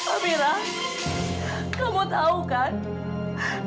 amira kamu tahu kan